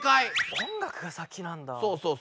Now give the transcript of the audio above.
音楽が先なんだ。